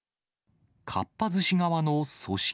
かっぱ寿司側の組織